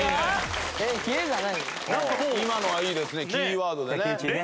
今のはいいですねキーワードでね。